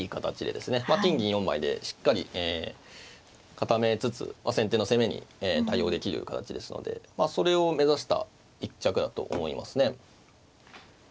金銀４枚でしっかり固めつつ先手の攻めに対応できる形ですのでそれを目指した一着だと思いますね。